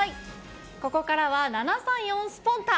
ここからは、７３４スポンタっ！